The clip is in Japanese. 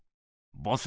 ボス